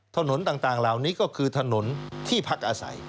ถนนต่างเหล่านี้ก็คือถนนที่พักอาศัย